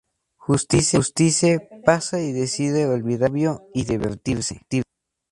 Justice pasa y decide olvidar el novio y divertirse.